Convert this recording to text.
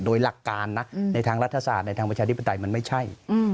โดยหลักการนะในทางรัฐศาสตร์ในทางประชาธิปไตยมันไม่ใช่